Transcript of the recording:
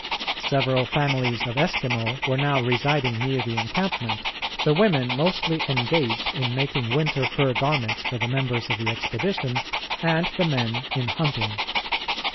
Several families of Eskimo were now residing near the encampment, the women mostly engaged in making winter fur garments for the members of the expedition, and the men in hunting.